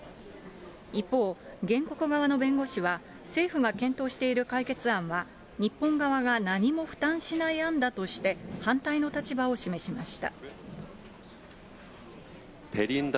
一方、原告側の弁護士は政府が検討している解決案は、日本側が何も負担しない案だとして、反対の立場を示しました。